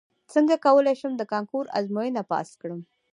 څنګه کولی شم د کانکور ازموینه پاس کړم